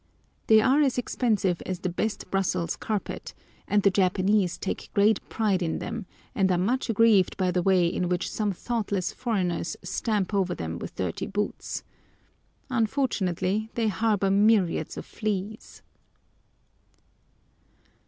They are as expensive as the best Brussels carpet, and the Japanese take great pride in them, and are much aggrieved by the way in which some thoughtless foreigners stamp over them with dirty boots. Unfortunately they harbour myriads of fleas.